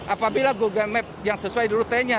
apabila google map yang sesuai dengan rute nya